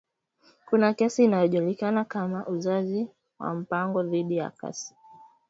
kuna kesi inayojulikana kama Uzazi wa mpango dhidi ya Casey, haijapiga marufuku utoaji mimba, bali kuyaachia majimbo uhuru